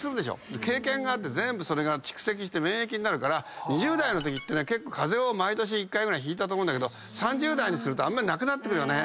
経験があって全部それが蓄積して免疫になるから２０代のときって風邪を毎年１回ぐらいひいたと思うけど３０代にするとなくなってくる。